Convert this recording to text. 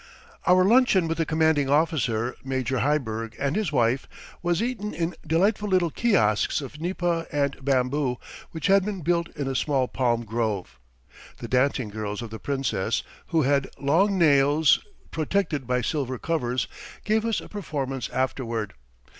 Our luncheon with the commanding officer, Major Heiberg, and his wife, was eaten in delightful little kiosks of nipa and bamboo, which had been built in a small palm grove. The dancing girls of the Princess, who had long nails protected by silver covers, gave us a performance afterward.